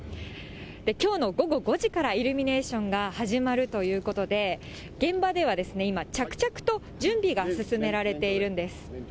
きょうの午後５時からイルミネーションが始まるということで、現場では今、着々と準備が進められているんです。